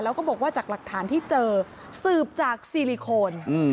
แล้วก็บอกว่าจากหลักฐานที่เจอสืบจากซีลิโคน